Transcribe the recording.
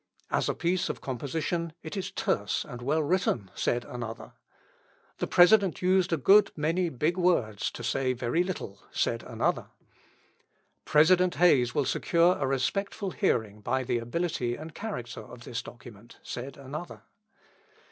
"As a piece of composition it is terse and well written," said another. "The President used a good many big words to say very little," said another. "President Hayes will secure a respectful hearing by the ability and character of this document," said another.